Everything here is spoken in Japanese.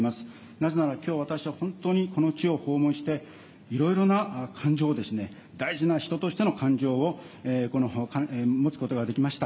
なぜなら、きょう、私は本当に、この地を訪問して、いろいろな感情を、大事な人としての感情を持つことができました。